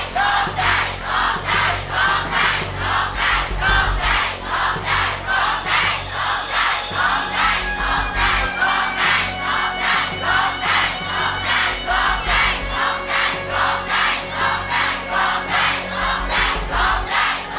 ร้องได้โครงใจโครงใจโครงใจ